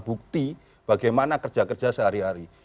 bukti bagaimana kerja kerja sehari hari